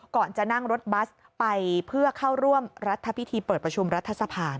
ก่อนจะนั่งรถบัสไปเพื่อเข้าร่วมรัฐพิธีเปิดประชุมรัฐสภา